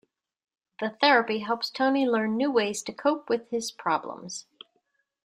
The therapy helps Tony learn new ways to cope with his problems.